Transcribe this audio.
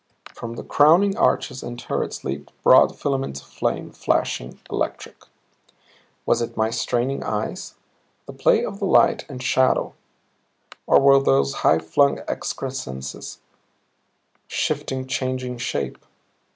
From the crowning arches and turrets leaped broad filaments of flame, flashing, electric. Was it my straining eyes, the play of the light and shadow or were those high flung excrescences shifting, changing shape?